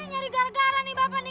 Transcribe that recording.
nyari gara gara nih bapak nih